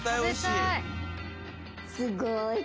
すごい！